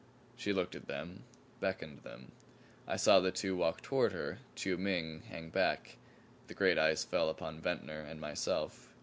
She looked at them, beckoned them. I saw the two walk toward her, Chiu Ming hang back. The great eyes fell upon Ventnor and myself.